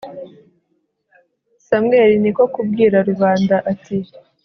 samweli ni ko kubwira rubanda, ati